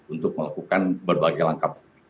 untuk melakukan berbagai langkah